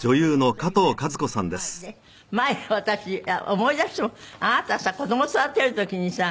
前私思い出してもあなたさ子供育てる時にさ